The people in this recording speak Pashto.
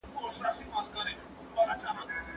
ایا په دې سیند کې اوبه ډېرې دي؟